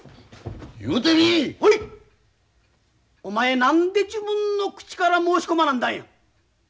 お前何で自分の口から申し込まなんだんや。